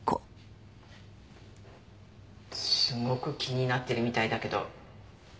すごく気になってるみたいだけど。